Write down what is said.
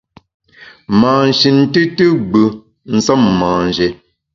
Mâ shin tùtù gbù nsem manjé.